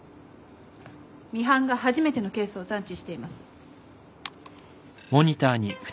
ミハンが初めてのケースを探知しています。